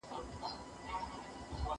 زه به سبا سیر وکړم!!